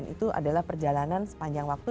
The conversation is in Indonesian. itu adalah perjalanan sepanjang waktu